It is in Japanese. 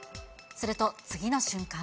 すると、次の瞬間。